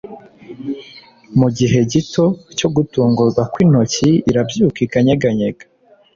Mugihe gito cyo gutungurwa kwintoki irabyuka ikanyeganyega